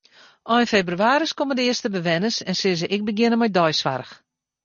Ein febrewaris komme de earste bewenners en sille se ek begjinne mei deisoarch.